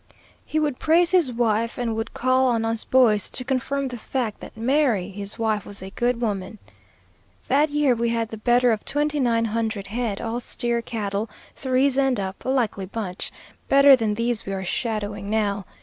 He would praise his wife, and would call on us boys to confirm the fact that Mary, his wife, was a good woman. "That year we had the better of twenty nine hundred head, all steer cattle, threes and up, a likely bunch, better than these we are shadowing now.